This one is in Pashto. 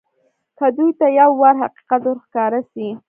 که دوى ته يو وار حقيقت ورښکاره سي.